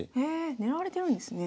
狙われてるんですね。